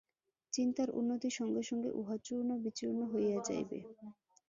চিন্তার উন্নতির সঙ্গে সঙ্গে উহা চূর্ণ বিচূর্ণ হইয়া যাইবে।